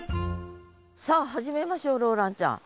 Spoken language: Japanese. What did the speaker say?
さあ始めましょうローランちゃん。